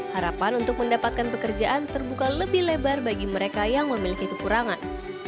harapan untuk mendapatkan pekerjaan terbuka lebih lebar bagi mereka yang memiliki kekurangan